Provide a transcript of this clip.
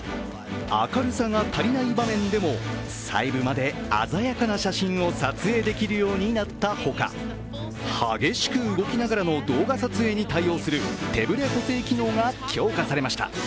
明るさが足りない場面でも細部まで鮮やかな写真を撮影できるようになったほか、激しく動きながらの動画撮影に対応する手ぶれ補正機能が強化されました。